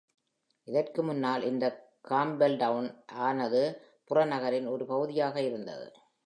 அதற்கு முன்னால் இந்த காம்ப்பெல்டவுன் ஆனது புறநகரின் ஒரு பகுதியாக இருந்தது.